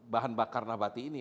bahan bakar nabati ini